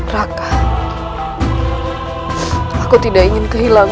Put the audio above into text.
raka aku tidak ingin kau hilang